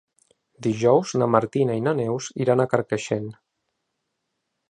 Dijous na Martina i na Neus iran a Carcaixent.